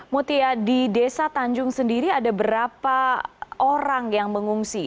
mutia di desa tanjung sendiri ada berapa orang yang mengungsi